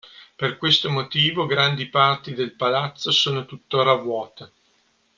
Per questo motivo, grandi parti del palazzo sono tuttora vuote.